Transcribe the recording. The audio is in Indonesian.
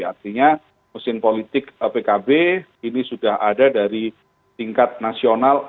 artinya mesin politik pkb ini sudah ada dari tingkat nasional